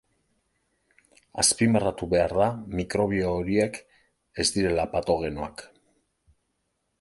Azpimarratu behar da mikrobio horiek ez direla patogenoak.